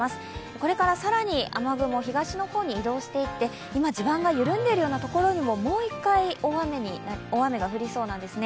これから更に雨雲、東の方に移動していって居間、地盤が緩んでいるようなところにも、もう一回大雨が降りそうなんですね。